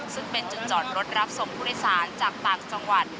ซึ่งเป็นจุดจอดรถรับส่งผู้โดยสารจากต่างจังหวัด